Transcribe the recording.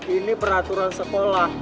ini peraturan sekolah